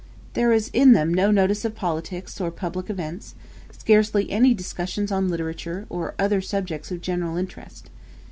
There is in them no notice of politics or public events; scarcely any discussions on literature, or other subjects of general interest.